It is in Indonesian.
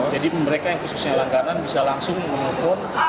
jadi mereka yang khususnya langganan bisa langsung menelpon